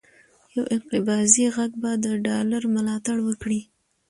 یو انقباضي غږ به د ډالر ملاتړ وکړي،